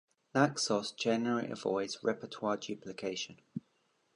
Naxos generally avoids repertoire duplication.